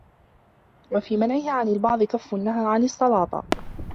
وَفِي مَنْعِهَا عَنْ الْبَعْضِ كَفٌّ لَهَا عَنْ السَّلَاطَةِ